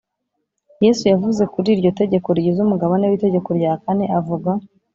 yesu yavuze kuri iryo tegeko rigize umugabane w’itegeko rya kane avuga